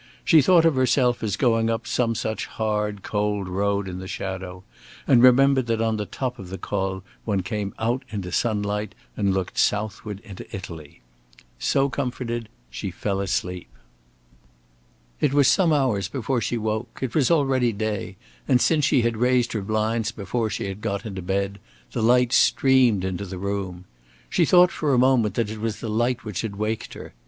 She thought of herself as going up some such hard, cold road in the shadow, and remembered that on the top of the Col one came out into sunlight and looked southward into Italy. So comforted a little, she fell asleep. It was some hours before she woke. It was already day, and since she had raised her blinds before she had got into bed, the light streamed into the room. She thought for a moment that it was the light which had waked her.